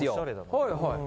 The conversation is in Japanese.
はいはい。